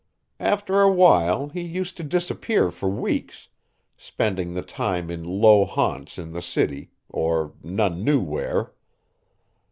After a while he used to disappear for weeks, spending the time in low haunts in the city, or none knew where.